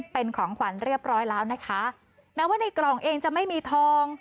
เป็นของขวัญเรียบร้อยแล้วนะคะแม้ว่าในกล่องเองจะไม่มีทอง